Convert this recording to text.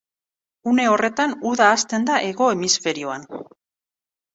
Une horretan uda hasten da hego hemisferioan.